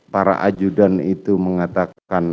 para ajudan itu mengatakan